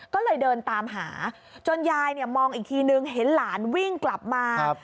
ก็เลยเดินตามหาจนยายมองอีกทีนึงเห็นหลานวิ่งกลับมา